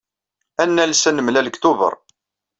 Ad nales ad nemlal deg tubeṛ.